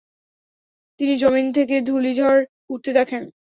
তিনি জমীন থেকে ধুলিঝড় উঠতে দেখেন।